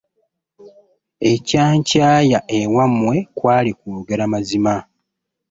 Ebyankyaya ewammwe kwali kwogera mazima.